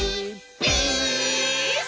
ピース！」